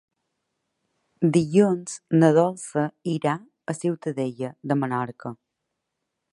Dilluns na Dolça irà a Ciutadella de Menorca.